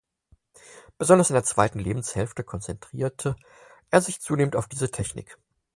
Besonders in der zweiten Lebenshälfte konzentrierte er sich zunehmend auf diese Technik.